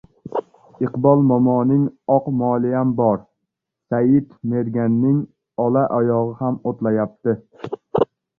Iqbol momoning oq moliyam bor, Said merganning olaoyog‘i ham o‘tlayapti.